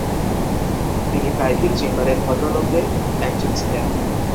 তিনি প্রাইভির চেম্বারের ভদ্রলোকদের একজন ছিলেন।